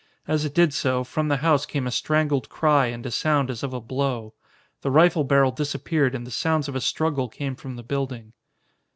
As it did so, from the house came a strangled cry and a sound as of a blow. The rifle barrel disappeared, and the sounds of a struggle came from the building.